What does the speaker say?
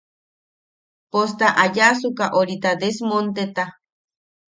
Pos ta ayaʼasuka orita desmonteta.